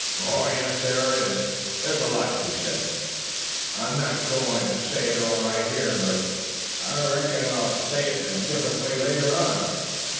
"Oh, yes there is. There's a lot to be said. I am not going to say it all right here, but I reckon I'll say it in a different way later on.